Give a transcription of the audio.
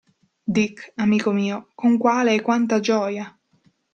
Dick, amico mio, con quale e quanta gioia!